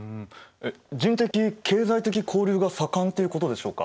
人的経済的な交流が盛んっていうことでしょうか。